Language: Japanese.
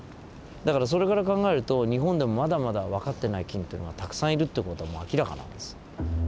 だからそれから考えると日本でもまだまだわかってない菌というのはたくさんいるって事はもう明らかなんです。